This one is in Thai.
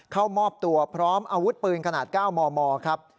เข้ามอบตัวพร้อมอาวุธปืนขนาด๙มมครับ